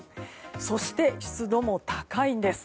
そして、湿度も高いんです。